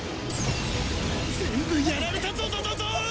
全部やられたぞぞぞぞう！